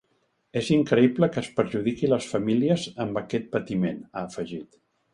És increïble que es perjudiqui les famílies amb aquest patiment, ha afegit.